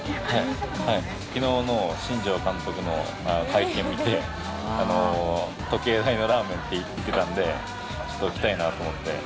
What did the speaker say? きのうの新庄監督の会見を見て、時計台のラーメンって言ってたんで、ちょっと来たいなと思って。